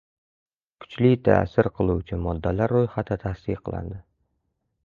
Kuchli ta’sir qiluvchi moddalar ro‘yxati tasdiqlandi